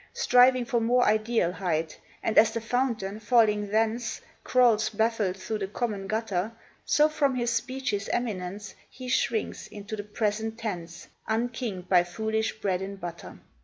Striving for more ideal height; And as the fountain, falling thence, Crawls baffled through the common gutter So, from his speech's eminence, He shrinks into the present tense, Unkinged by foolish bread and butter.